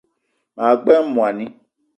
Maa gbele moni